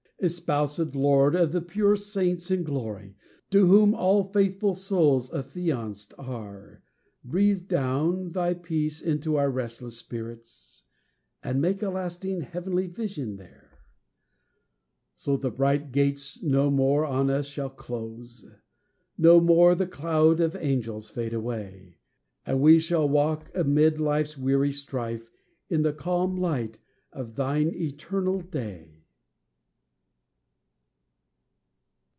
Espousèd Lord of the pure saints in glory, To whom all faithful souls affianced are, Breathe down thy peace into our restless spirits, And make a lasting, heavenly vision there. So the bright gates no more on us shall close; No more the cloud of angels fade away; And we shall walk, amid life's weary strife, In the calm light of thine eternal day.